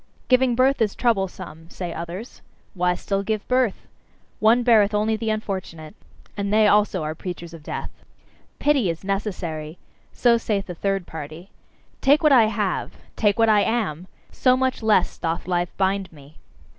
"Giving birth is troublesome," say others "why still give birth? One beareth only the unfortunate!" And they also are preachers of death. "Pity is necessary," so saith a third party. "Take what I have! Take what I am! So much less doth life bind me!"